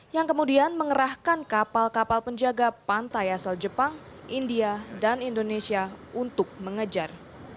yang kemudian mengerahkan kapal kapal penjaga pantai asal jepang india dan indonesia untuk mengejar